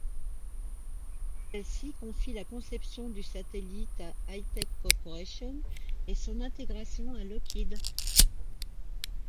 Celle-ci confie la conception du satellite à Itek Corporation et son intégration à Lockheed.